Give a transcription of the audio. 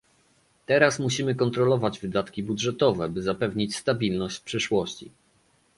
"teraz musimy kontrolować wydatki budżetowe, by zapewnić stabilność w przyszłości"